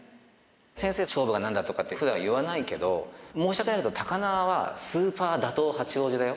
先生と勝負がなんだとかってふだんは言わないけど、申し訳ないけど、高輪は打倒、八王子だよ。